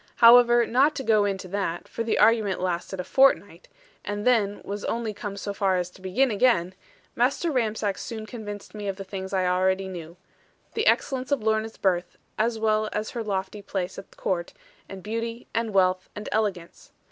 However, not to go into that (for the argument lasted a fortnight; and then was only come so far as to begin again), Master Ramsack soon convinced me of the things I knew already; the excellence of Lorna's birth, as well as her lofty place at Court, and beauty, and wealth, and elegance.